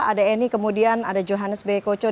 ada eni kemudian ada johannes b koco